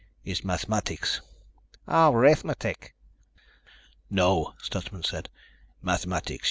It's mathematics." "Oh, arithmetic." "No," Stutsman said. "Mathematics.